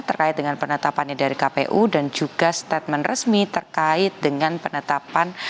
terkait dengan penetapannya dari kpu dan juga statement resmi terkait dengan penetapan